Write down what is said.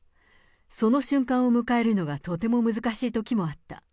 その瞬間を迎えるのがとても難しいときもあった。